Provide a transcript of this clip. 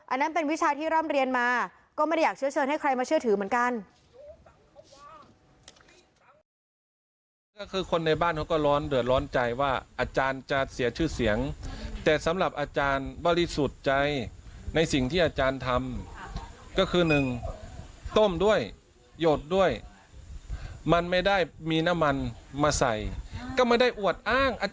อันนั้นเป็นวิชาที่ร่ำเรียนมาก็ไม่ได้อยากเชื้อเชิญให้ใครมาเชื่อถือเหมือนกัน